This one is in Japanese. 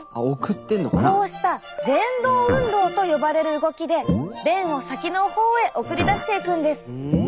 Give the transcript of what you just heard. こうしたぜん動運動と呼ばれる動きで便を先の方へ送り出していくんです。